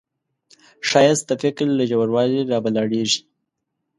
ښایست د فکر له ژوروالي راولاړیږي